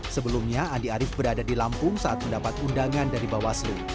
sebelumnya andi arief berada di lampung saat mendapat undangan dari bawaslu